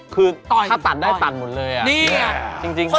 คือถ้าตัดได้ตัดหมดเลยอะจริงไงใช่